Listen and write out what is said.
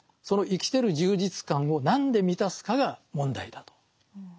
その生きてる充実感を何で満たすかが問題だと。